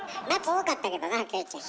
多かったけどなキョエちゃん。